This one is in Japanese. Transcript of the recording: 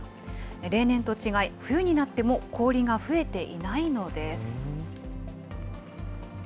例年と違い、冬になっても氷が増えていないのです。